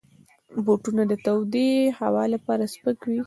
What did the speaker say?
بوټونه د تودې هوا لپاره سپک وي.